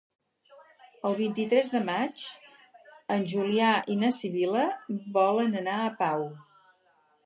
El vint-i-tres de maig en Julià i na Sibil·la volen anar a Pau.